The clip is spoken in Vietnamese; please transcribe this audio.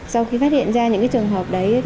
sau khi phát hiện ra những trường hợp đấy